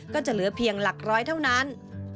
ก็จะเหลือเพียงหลักร้อยเท่านั้น